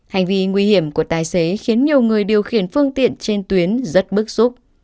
hành vi nguy hiểm của tài xế khiến nhiều người điều khiển phương tiện trên tuyến rất bức xúc